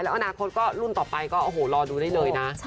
อนาคตก็รุ่นต่อไปก็โอ้โหรอดูได้เลยนะ